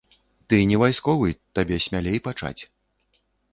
Ты не вайсковы, табе смялей пачаць.